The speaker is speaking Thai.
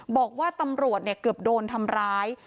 บอกว่าตำรวจเกือบโดนทำร้าย